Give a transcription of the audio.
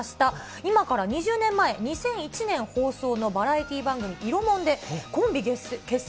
今から２０年前、２００１年放送のバラエティー番組、いろもんで、コンビ結成